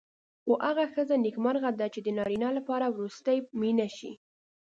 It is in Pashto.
خو هغه ښځه نېکمرغه ده چې د نارینه لپاره وروستۍ مینه شي.